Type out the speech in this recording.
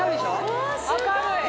明るい。